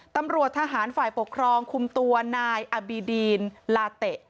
ตำรวจทหารฝ่ายปกครองคุมตัวนายอบีดีนลาเตะ